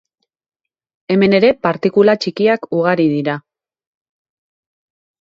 Hemen ere partikula txikiak ugari dira.